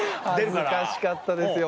恥ずかしかったですよ